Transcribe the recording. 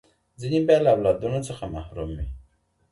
ځيني بيا له اولادونو څخه محروم وي.